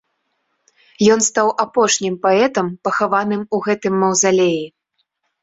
Ён стаў апошнім паэтам, пахаваным у гэтым маўзалеі.